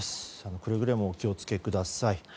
くれぐれもお気を付けください。